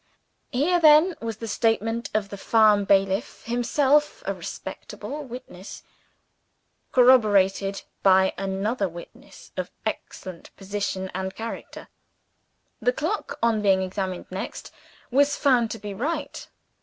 Here then was the statement of the farm bailiff (himself a respectable witness) corroborated by another witness of excellent position and character. The clock, on being examined next, was found to be right.